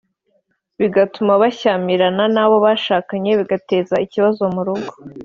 bigatuma bashyamirana n’abo bashakanye bigateza ikibazo mu rugo